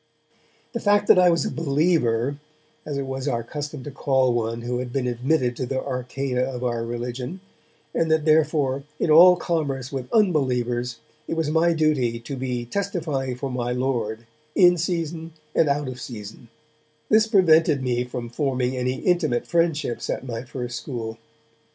The fact that I was 'a believer', as it was our custom to call one who had been admitted to the arcana of our religion, and that therefore, in all commerce with 'unbelievers', it was my duty to be 'testifying for my Lord, in season and out of season' this prevented my forming any intimate friendships at my first school.